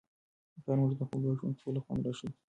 پلار موږ ته د خپلواک ژوند کولو خوند را ښيي.